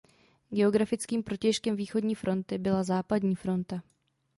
Geografickým protějškem Východní fronty byla Západní fronta.